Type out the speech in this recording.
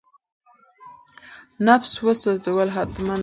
نفس وسوځول حتمي نه دي.